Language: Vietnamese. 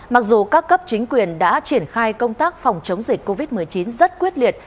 mặc dù các cấp chính quyền đã triển khai công tác phòng chống dịch covid một mươi chín rất quyết liệt